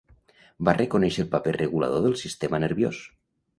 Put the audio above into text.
Va reconèixer el paper regulador del sistema nerviós.